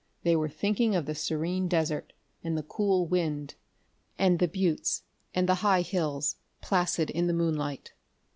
They were thinking of the serene desert, and the cool wind, and the buttes and the high hills, placid in the moonlight.